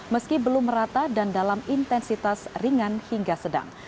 meski belum merata dan dalam intensitas ringan hingga sedang